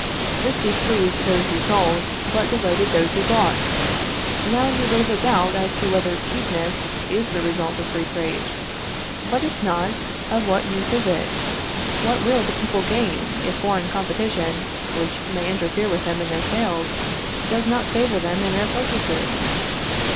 This displeased those who sold, but delighted those who bought. Now, you raise a doubt as to whether cheapness is the result of free trade. But if not, of what use is it? What will the people gain, if foreign competition, which may interfere with them in their sales, does not favor them in their purchases?"